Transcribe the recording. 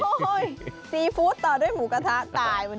โอ้โหซีฟู้ดต่อด้วยหมูกระทะตายวันนี้ตาย